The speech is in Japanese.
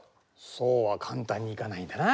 そうは簡単にいかないんだな。